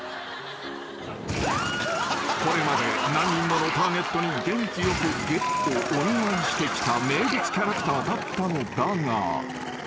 ［これまで何人ものターゲットに元気よくゲをお見舞いしてきた名物キャラクターだったのだが］